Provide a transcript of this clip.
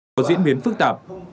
có diễn biến phức tạp